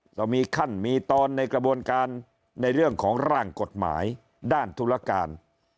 เรามีขั้นมีตอนในกระบวนการในเรื่องของร่างกฎหมายด้านธุรการ